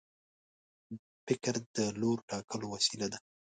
فکر د لور ټاکلو وسیله ده.